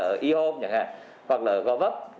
ở e home hoặc là ở govup